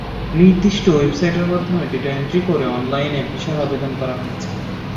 নির্দিষ্ট ওয়েবসাইটের মাধ্যমে ডেটা এন্ট্রি করে অনলাইনে ভিসার আবেদন করা হয়েছে।